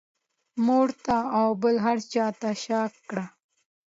مور ته او بل هر چا ته شا کړه.